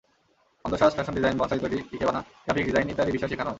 অন্দরসাজ, fashion design, bonsai তৈরি, ikebana, graphics design ইত্যাদি বিষয় শেখানো হয়।